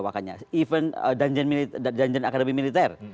bahkan dungeon akademi militer